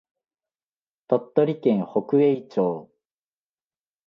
鳥取県北栄町